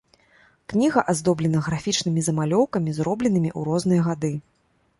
Кніга аздоблена графічнымі замалёўкамі, зробленымі ў розныя гады.